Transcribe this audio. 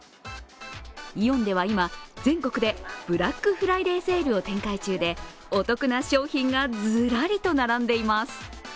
イオンでは今、全国でブラックフライデーセールを展開中でお得な商品がズラリと並んでいます。